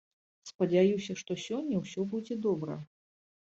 Спадзяюся, што сёння ўсё будзе добра.